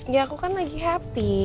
ya aku kan lagi happy